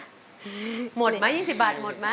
หมดไหม๒๐บาทหมดไหม